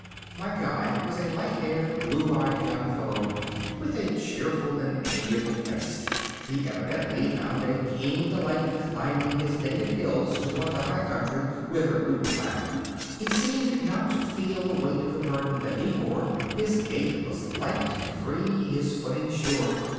My guide was a light haired, blue eyed young fellow with a cheerful and amiable face. He evidently found a keen delight in climbing his native hills toward the high country whither we were bound. He seemed not to feel the weight of the burden that he bore; his gait was light and free, his footing sure.